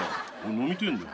飲みてえんだよ。